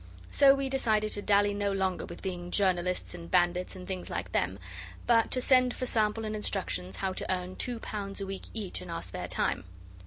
So we decided to dally no longer with being journalists and bandits and things like them, but to send for sample and instructions how to earn two pounds a week each in our spare time.